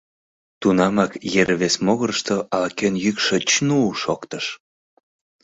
Тунамак ер вес могырышто ала-кӧн йӱкшӧ чну-у шоктыш.